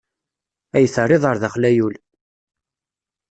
Ay terriḍ ar daxel a yul!